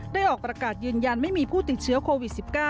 ออกประกาศยืนยันไม่มีผู้ติดเชื้อโควิด๑๙